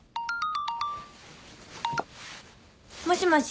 もしもし？